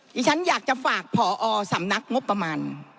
ที่ฉันอยากจะฝากผอสำนักงบประมาณ